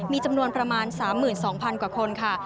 มีจำนวนประมาณ๓๒๐๐๐กว่าคนค่ะ